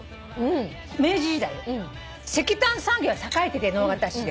明治時代石炭産業が栄えてて直方市で。